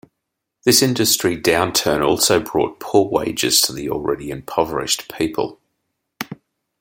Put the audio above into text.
This industrial down turn also brought poor wages to the already impoverished people.